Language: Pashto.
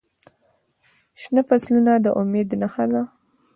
شنه فصلونه د امید نښه ده.